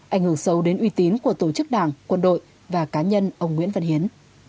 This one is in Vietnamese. ảnh hưởng sâu đến uy tín của tổ chức đảng quân đội và cá nhân ông nguyễn văn hiến